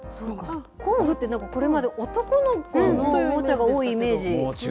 工具って、これまで男の子のおもちゃが多いイメージ。